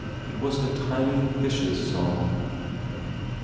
It was the tiny fishes' song.